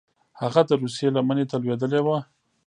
هغه د روسیې لمنې ته لوېدلي وه.